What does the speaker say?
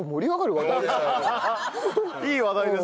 いい話題です